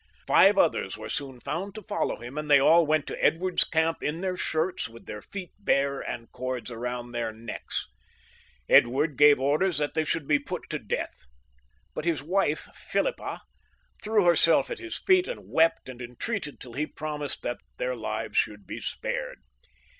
Five others were soon found to follow him, and they aU went to Edward's camp in their shirts, with their feet bare, and cords round their necks. Edward gave orders that they should be put to death, but his wife, Philippa, threw herself at his feet, and wept and entreated till he promised that their lives should be spared.